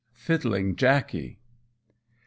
_Fiddling Jackey.